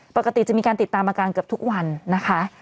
ปกติจะมีการติดตามอาการเกือบทุกวันนะคะ